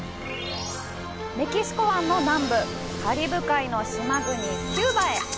メキシコ湾の南部カリブ海の島国キューバへ！